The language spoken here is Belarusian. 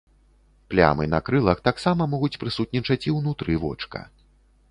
Плямы на крылах таксама могуць прысутнічаць і ўнутры вочка.